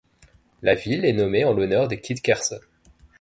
La ville est nommée en l'honneur de Kit Carson.